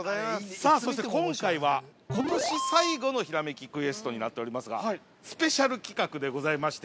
◆今回は、ことし最後のひらえきクエストになっておりますがスペシャル企画でございまして